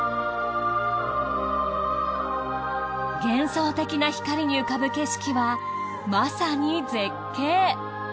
幻想的な光に浮かぶ景色はまさに絶景！